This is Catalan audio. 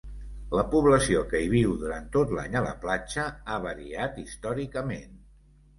La població que hi viu durant tot l'any a la platja, ha variat històricament.